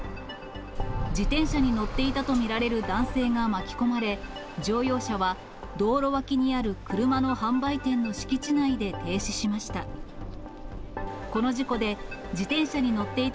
自転車に乗っていたと見られる男性が巻き込まれ、乗用車は道路脇にある、車の販売店の敷地内で停止しました。